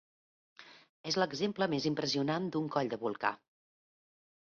És l'exemple més impressionant d'un coll de volcà.